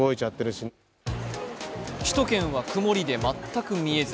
首都圏は曇りで全く見えず。